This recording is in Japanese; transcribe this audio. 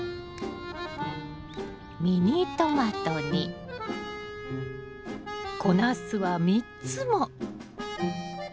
ミニトマトに小ナスは３つも！